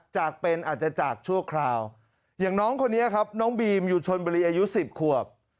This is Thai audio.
จากเป็นอาจจะจากชั่วคราวอย่างน้องคนนี้ครับน้องบีมอยู่ชนบุรีอายุ๑๐ขวบ